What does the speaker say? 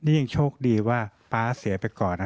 นี่ยังโชคดีว่าป๊าเสียไปก่อนนะ